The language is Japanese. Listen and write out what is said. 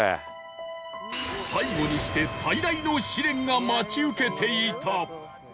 最後にして最大の試練が待ち受けていた！